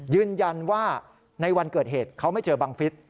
ยืนยันว่าในวันเกิดเหตุเขาไม่เจอบังฟิศ